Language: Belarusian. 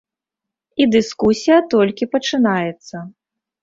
І дыскусія толькі пачынаецца.